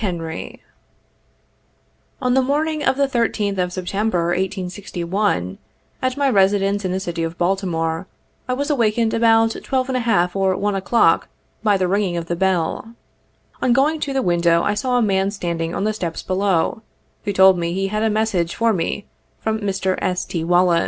0»t mt On the morning of the 13th of September, 1861, at my residence in the city of Baltimore, I was awakened about 12^ or 1 o'clock, by the ringing of the bell. On going to the window, I saw a man standing on the steps below, who told me he had a message for me from Mr. S. T. Wallis.